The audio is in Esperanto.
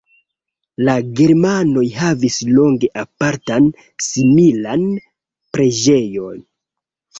La germanoj havis longe apartan similan preĝejon.